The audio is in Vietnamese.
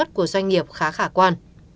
sản xuất của doanh nghiệp khá khả quan